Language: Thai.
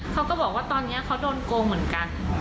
เขาก็บอกว่าตอนนี้เขาโดนโกงเหมือนกัน